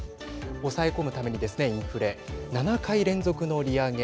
抑え込むためにですね、インフレ７回連続の利上げ。